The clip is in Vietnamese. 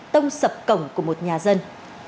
tông sập cổng của một nhà dân